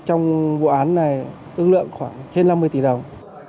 trong vụ án này ước lượng khoảng trên năm mươi tỷ đồng